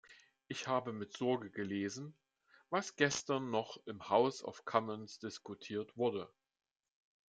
Ich habe mit Sorge gelesen, was gestern noch im House of Commons diskutiert wurde.